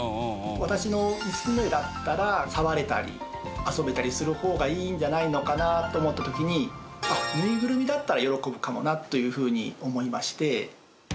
私の娘だったら触れたり遊べたりする方がいいんじゃないのかなと思った時にぬいぐるみだったら喜ぶかもなというふうに思いまして。